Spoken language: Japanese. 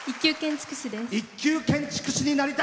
一級建築士です。